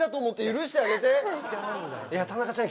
いや田中ちゃん